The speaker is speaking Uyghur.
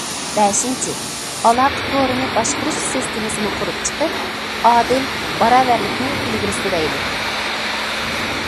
بەشىنچى: ئالاقە تورىنى باشقۇرۇش سىستېمىسىنى قۇرۇپ چىقىپ، ئادىل باراۋەرلىكنى ئىلگىرى سۈرەيلى.